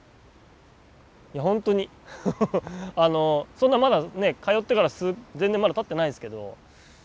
そんなまだね通ってから全然まだたってないですけど。